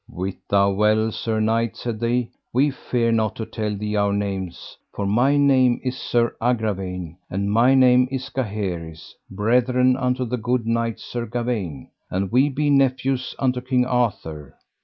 Wit thou well, sir knight, said they, we fear not to tell thee our names, for my name is Sir Agravaine, and my name is Gaheris, brethren unto the good knight Sir Gawaine, and we be nephews unto King Arthur.